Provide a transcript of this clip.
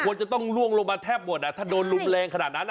ควรจะต้องล่วงลงมาแทบหมดถ้าโดนรุนแรงขนาดนั้น